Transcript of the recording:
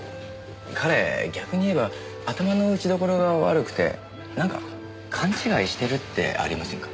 彼逆に言えば頭の打ちどころが悪くてなんか勘違いしてるってありませんか？